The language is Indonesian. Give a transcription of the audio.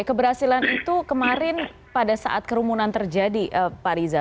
keberhasilan itu kemarin pada saat kerumunan terjadi pak riza